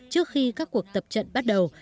trước khi các cuộc tập trận bắt đầu